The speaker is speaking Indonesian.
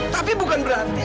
tapi bukan berarti